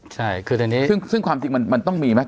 ใช่คือตอนนี้ซึ่งความจริงมันต้องมีไหม